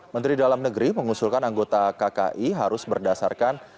menteri dalam negeri mengusulkan anggota kki harus berdasarkan